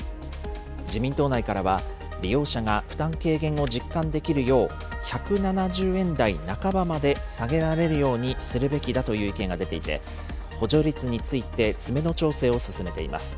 自民党内からは、利用者が負担軽減を実感できるよう、１７０円台半ばまで下げられるようにするべきだという意見が出ていて、補助率について詰めの調整を進めています。